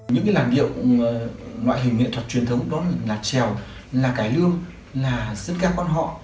những cái làng điệu loại hình nghệ thuật truyền thống đó là trèo là cải lương là dân cao con họ